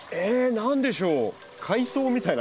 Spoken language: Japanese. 何でしょう？